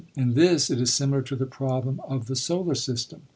In this it is similar to the problem of the solar system.